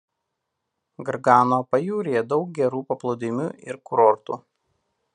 Gargano pajūryje daug gerų paplūdimių ir kurortų.